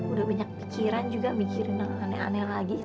udah banyak pikiran juga mikirin aneh aneh lagi